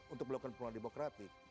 untuk melakukan perolahan demokratik